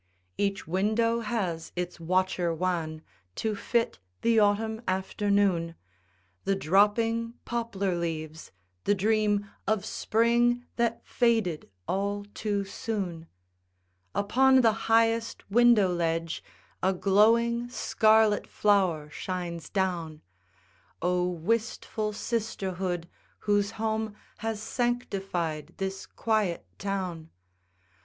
Each window has its watcher wan To fit the autumn afternoon, The dropping poplar leaves, the dream Of spring that faded all too soon. Upon the highest window ledge A glowing scarlet flower shines down. Oh, wistful sisterhood, whose home Has sanctified this quiet town!